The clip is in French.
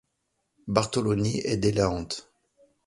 Bartholoni et Delahante.